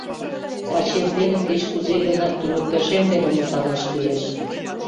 Таче эрдене кеч-кузе гынат туныктышем дене мутланаш кӱлеш.